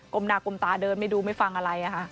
มหน้ากลมตาเดินไม่ดูไม่ฟังอะไร